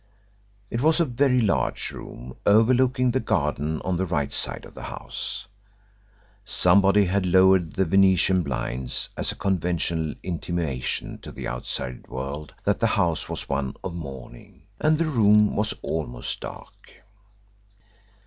It was a very large room, overlooking the garden on the right side of the house. Somebody had lowered the Venetian blinds as a conventional intimation to the outside world that the house was one of mourning, and the room was almost dark.